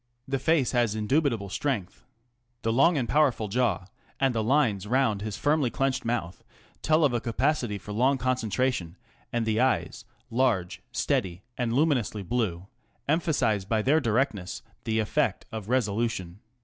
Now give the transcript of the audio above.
The face has indubitable strength. The long and powerful jaw and the lines round his firmly clenched mouth tell of a capacity for long concentration^, and the eyes, large, steady, and luminously blue, emphasise by their directness the effect of resolution.